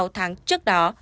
sáu tháng trước đó